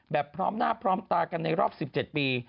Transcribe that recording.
พร้อมหน้าพร้อมตากันในรอบ๑๗ปี